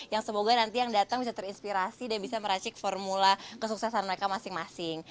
yang semoga nanti yang datang bisa terinspirasi dan bisa meracik formula kesuksesan mereka masing masing